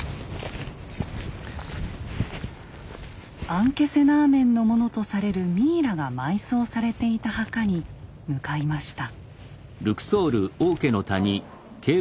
アンケセナーメンのものとされるミイラが埋葬されていた墓に向かいました。